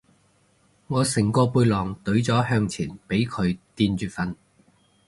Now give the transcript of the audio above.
我成個背囊隊咗向前俾佢墊住瞓